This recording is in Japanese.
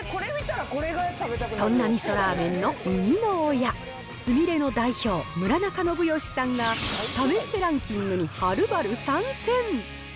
そんな味噌ラーメンの生みの親、すみれの代表、村中伸宜さんが試してランキングにはるばる参戦。